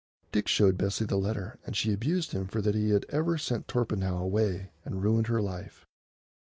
Dick showed Bessie the letter, and she abused him for that he had ever sent Torpenhow away and ruined her life.